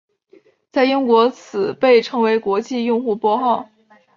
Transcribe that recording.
在英国此被称为国际用户拨号。